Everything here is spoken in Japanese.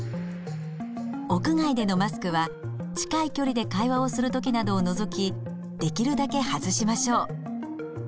屋外でのマスクは近い距離で会話をする時などを除きできるだけ外しましょう。